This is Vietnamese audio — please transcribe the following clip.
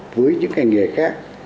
với những ngành nghề khác